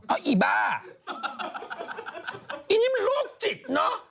อันนี้มันลูกจิตเนอะ